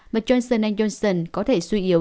và johnson johnson có thể suy yếu